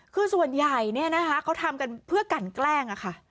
คือส่วนใหญ่เนี่ยนะคะเขาทำกันเพื่อกันแกล้งค่ะ